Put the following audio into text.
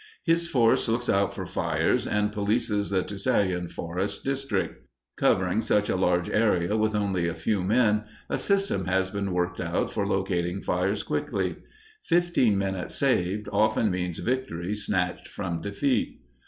His force looks out for fires, and polices the Tusayan Forest district. Covering such a large area with only a few men, a system has been worked out for locating fires quickly. Fifteen minutes saved, often means victory snatched from defeat.